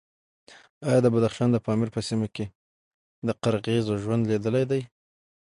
ایا د بدخشان د پامیر په سیمه کې د قرغیزو ژوند لیدلی دی؟